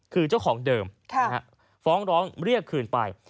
คือเจ้าของเดิมฟ้องร้องเรียกคืนไป